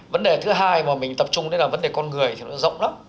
vấn đề thứ hai mà mình tập trung đến là vấn đề con người thì nó rộng lắm